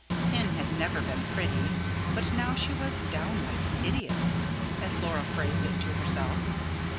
Pin had never been pretty, but now she was "downright hideous" as Laura phrased it to herself.